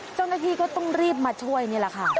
เจ้าหน้าที่ก็ต้องรีบมาช่วยนี่แหละค่ะ